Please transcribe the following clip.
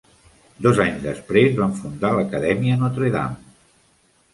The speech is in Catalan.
Dos anys després van fundar l'Acadèmia Notre Dame.